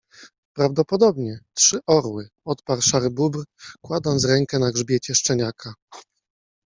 -Prawdopodobnie, Trzy Orły - odparł Szary Bóbr, kładąc rękę na grzbiecie szczeniaka -